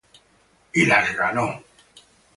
Y las ganó.